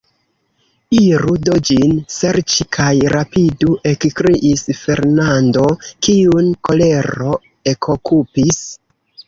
Iru do ĝin serĉi, kaj rapidu, ekkriis Fernando, kiun kolero ekokupis.